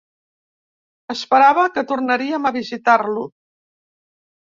Esperava que tornaríem a visitar-lo